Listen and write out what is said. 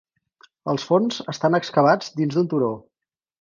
Els forns estan excavats dins d'un turó.